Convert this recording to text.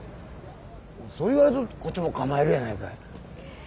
そう言われるとこっちも構えるやないかい。